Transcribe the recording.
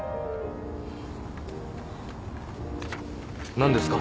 何ですか？